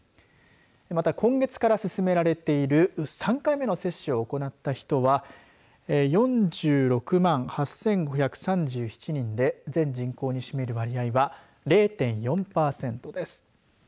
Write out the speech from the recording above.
また今月から進められている３回目の接種を行った人は４６万８５３７人で全人口に占める割合は０．４パーセントです。